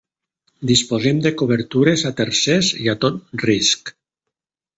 Disposem de cobertures a tercers i a tot risc.